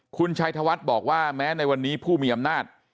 คุณชัยธวัฒน์บอกว่าแม้ในวันนี้ผู้มีอำนาจ